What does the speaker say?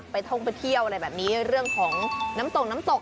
ท่องไปเที่ยวอะไรแบบนี้เรื่องของน้ำตกน้ำตก